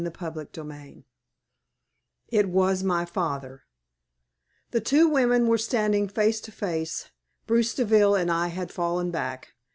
CHAPTER XVI "IT WAS MY FATHER" The two women were standing face to face. Bruce Deville and I had fallen back.